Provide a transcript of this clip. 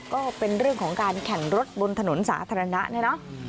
ก็เป็นเรื่องของการแข่งรถบนถนนสาธารณะเนี่ยเนอะ